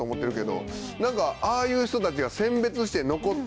ああいう人たちが選別して。